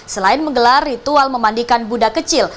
selain menggelar ritual memandikan buddha kecil